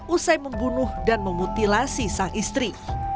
usai membunuh dan memutilasi sang istri